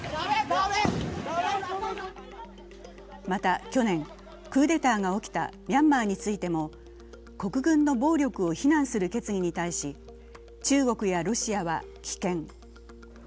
また去年、クーデターが起きたミャンマーについても国軍の暴力を非難する決議に対し、中国やロシアは棄権。